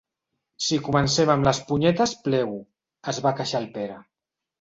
Si comencem amb les punyetes plego —es va queixar el Pere.